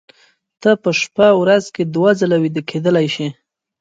ته په شپه ورځ کې دوه ځله ویده کېدلی شې